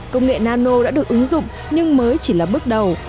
công nghệ nano đã được ứng dụng nhưng mới chỉ là bước đầu